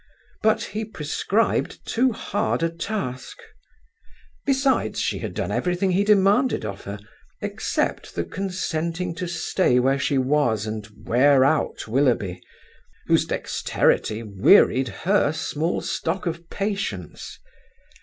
But he prescribed too hard a task. Besides, she had done everything he demanded of her, except the consenting to stay where she was and wear out Willoughby, whose dexterity wearied her small stock of patience.